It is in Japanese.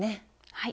はい。